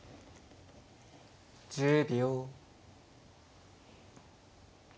１０秒。